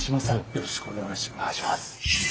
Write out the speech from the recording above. よろしくお願いします。